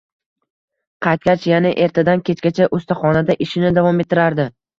Qaytgach, yana ertadan kechgacha ustaxonada ishini davom ettirardi.